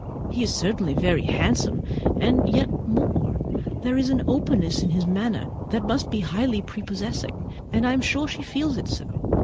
He is certainly very handsome; and yet more, there is an openness in his manner that must be highly prepossessing, and I am sure she feels it so.